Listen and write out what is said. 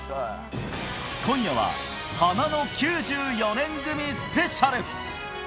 今夜は、花の９４年組スペシャル。